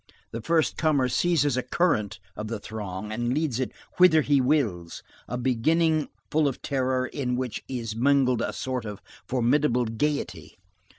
The first comer seizes a current of the throng and leads it whither he wills. A beginning full of terror, in which is mingled a sort of formidable gayety.